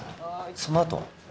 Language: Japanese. そのあとは？